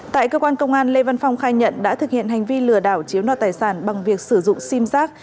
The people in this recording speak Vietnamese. tại cơ quan công an lê văn phong khai nhận đã thực hiện hành vi lừa đảo chiếm đoạt tài sản bằng việc sử dụng sim giác